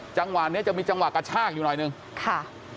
จังหวะเนี้ยจะมีจังหวะกระชากอยู่หน่อยหนึ่งค่ะ